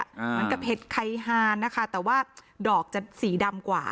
เหมือนกับเห็ดไข่ฮานนะคะแต่ว่าดอกจะสีดำกว่า